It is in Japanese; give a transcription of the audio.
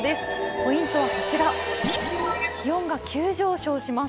ポイントはこちら気温が急上昇します。